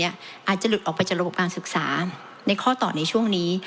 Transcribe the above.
อาจจะหลุดออกไปจากระบบการศึกษาในข้อต่อในช่วงนี้